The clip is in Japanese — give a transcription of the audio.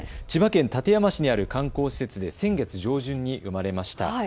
千葉県館山市にある観光施設で先月上旬に生まれました。